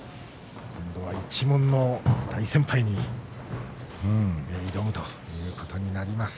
一門の大先輩に挑むということになります。